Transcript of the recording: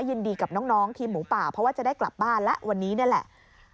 ยินดีกับน้องทีมหมูป่าเพราะว่าจะได้กลับบ้านแล้ววันนี้นี่แหละ